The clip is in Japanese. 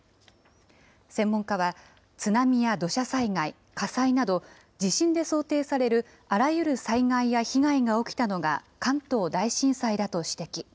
専門家は、津波や土砂災害、火災など地震で想定される、あらゆる災害や被害が起きたのが、関東大震災だと指摘。